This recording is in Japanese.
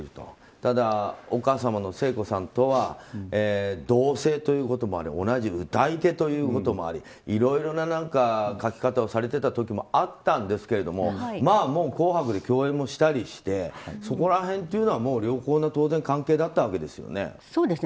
ただ、お母様の聖子さんとは同性ということもあり同じ歌い手ということもありいろいろな書き方をされていたこともあったんですが「紅白」で共演もしたりしてそこら辺というのはそうですね。